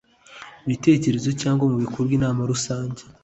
bitekerezo cyangwa mu bikorwa inama rusange